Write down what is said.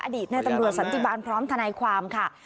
อดีตในตำรวจสันติบาลพร้อมทนายความค่ะ